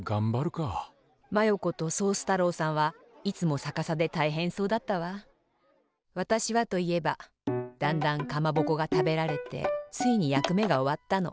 マヨ子とソース太郎さんはいつもさかさでたいへんそうだったわ。わたしはといえばだんだんかまぼこがたべられてついにやくめがおわったの。